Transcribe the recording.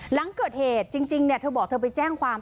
หลังเกิดเหตุจริงเธอบอกเธอไปแจ้งความ